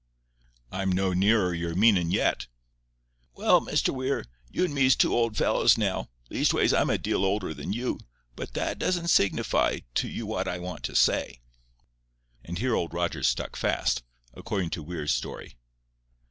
"I'm no nearer your meanin' yet." "Well, Mr Weir, you and me's two old fellows, now—leastways I'm a deal older than you. But that doesn't signify to what I want to say." And here Old Rogers stuck fast—according to Weir's story.